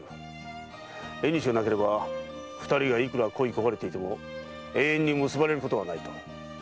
縁がなければ二人がいくら恋い焦がれていても永遠に結ばれることはないと。